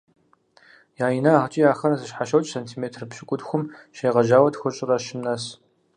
Я инагъкIи ахэр зэщхьэщокI сантиметр пщыкIутхум щегъэжьауэ тхущIрэ щым нэс.